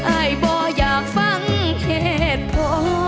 อายบ่ออยากฟังเหตุผล